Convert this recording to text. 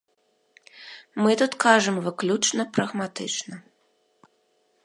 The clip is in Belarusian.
Мы тут кажам выключна прагматычна.